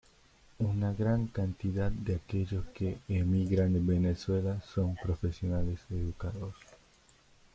Una gran cantidad de aquellos que emigran en Venezuela son profesionales educados.